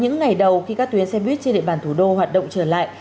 những ngày đầu khi các tuyến xe buýt trên địa bàn thủ đô hoạt động trở lại